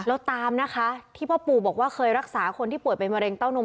แล้วตามนะคะที่พ่อปู่บอกว่าเคยรักษาคนที่ป่วยเป็นมะเร็งเต้านม